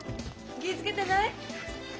気ぃ付けてない。